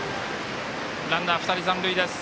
ランナー２人残塁です。